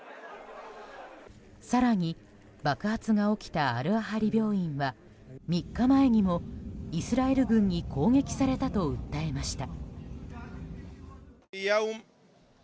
更に、爆発が起きたアル・アハリ病院は３日前にもイスラエル軍に攻撃されたと訴えました。